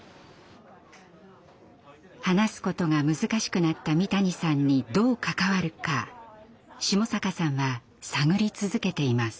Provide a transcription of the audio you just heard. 話すことが難しくなった三谷さんにどう関わるか下坂さんは探り続けています。